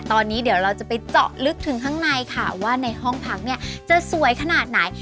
ตอนนี้เดี๋ยวเราจะไปเจาะลึกถึงข้างในค่ะว่าในห้องพักเนี่ยจะสวยขนาดไหน